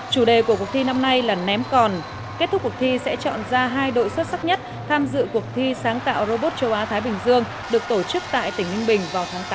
chủ đề của cuộc thi năm nay là ném còn kết thúc cuộc thi sẽ chọn ra hai đội xuất sắc nhất tham dự cuộc thi sáng tạo robot châu á thái bình dương được tổ chức tại tỉnh ninh bình vào tháng tám